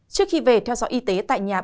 trước khi về theo dõi y tế tại những tỉnh